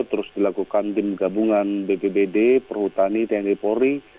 terus dilakukan tim gabungan bpbd perhutani tng pori